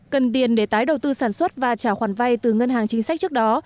cần tiền để tái đầu tư sản xuất và trả khoản vay từ ngân hàng chính sách trước đó